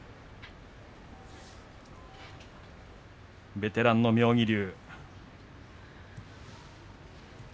ベテランの妙義龍。